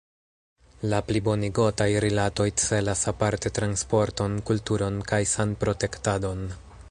La plibonigotaj rilatoj celas aparte transporton, kulturon kaj sanprotektadon.